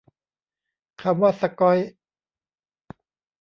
คำว่า "สก๊อย"